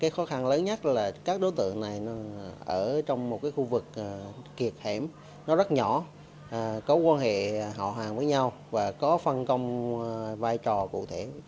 khó khăn lớn nhất là các đối tượng này ở trong một khu vực kiệt hẻm nó rất nhỏ có quan hệ họ hàng với nhau và có phân công vai trò cụ thể